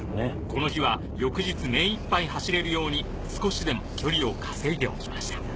この日は翌日目一杯走れるように少しでも距離を稼いでおきました